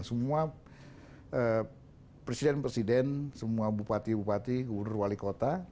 semua presiden presiden semua bupati bupati gubernur wali kota